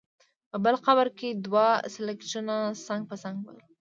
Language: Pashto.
په بل قبر کې دوه سکلیټونه څنګ په څنګ ول.